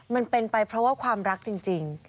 มันเป็นไปเพราะว่าความรักจริง